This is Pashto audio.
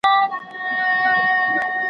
هسي نه چي د قصاب جوړه پلمه سي